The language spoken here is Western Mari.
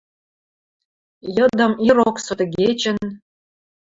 Йыдым, ирок, сотыгечӹн